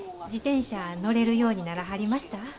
自転車乗れるようにならはりました？